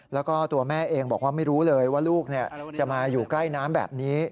แล้วก็ตัวแม่เองบอกว่าไม่รู้เลยว่าลูกจะมาอยู่ใกล้น้ำแบบนี้